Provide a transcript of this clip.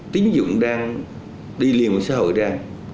tiến dụng đang đi liền với xã hội ra